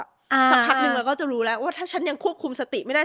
สักพักนึงเราก็จะรู้แล้วว่าถ้าฉันยังควบคุมสติไม่ได้